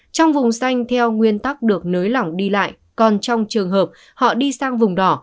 trong vùng xanh theo nguyên tắc được nới lỏng đi lại còn trong trường hợp họ đi sang vùng đỏ